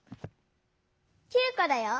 ９こだよ。